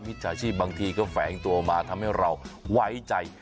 จ่าชีพบางทีก็แฝงตัวมาทำให้เราไว้ใจ